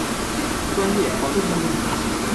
专业方向。